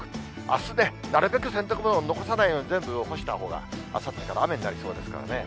あす、なるべく洗濯物全部残さないで、全部干したほうが、あさってから雨になりそうですからね。